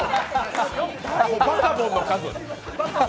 もうバカボンの数！